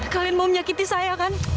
kalian mau menyakiti saya kan